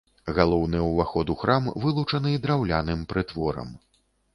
Галоўны ўваход у храм вылучаны драўляным прытворам.